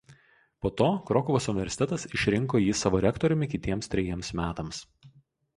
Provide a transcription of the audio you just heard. Po to Krokuvos universitetas išrinko jį savo rektoriumi kitiems trejiems metams.